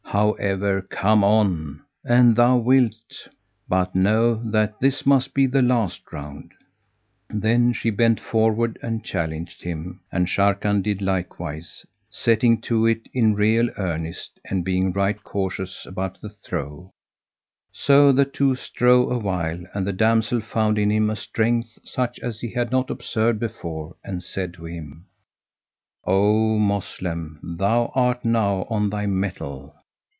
However come on, an thou wilt; but know that this must be the last round." Then she bent forward and challenged him and Sharrkan did likewise, setting to it in real earnest and being right cautious about the throw: so the two strove awhile and the damsel found in him a strength such as she had not observed before and said to him, "O Moslem, thou art now on thy mettle."